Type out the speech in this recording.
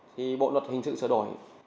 thì bộ luật hình dự sửa đổi